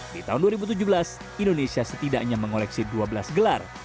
di tahun dua ribu tujuh belas indonesia setidaknya mengoleksi dua belas gelar